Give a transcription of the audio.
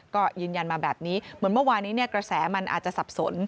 ก็ยืนยันมาแบบนี้เหมือนเมื่อวานี้กระแสมันอาจจะสับสน